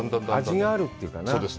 味があるというかな。